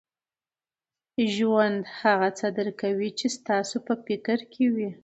ژوند هغه څه درکوي، چي ستاسو په فکر کي وي.